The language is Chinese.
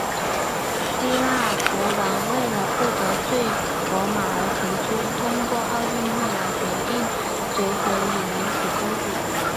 希腊国王为了不得罪罗马而提出通过奥运会来决定谁可以迎娶公主。